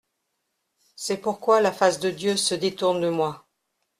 C'est pourquoi la face de Dieu se détourne de moi.